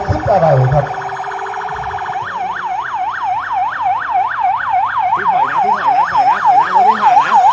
ที่ไหนนะพี่ห่านนะ